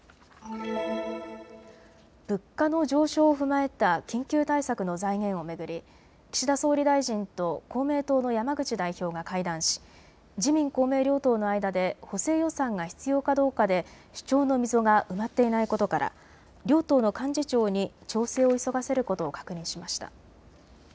物価の上昇を踏まえた緊急対策の財源を巡り岸田総理大臣と公明党の山口代表が会談し自民公明両党の間で補正予算が必要かどうかで主張の溝が埋まっていないことから両党の幹事長に調整を急がせることを確認しました。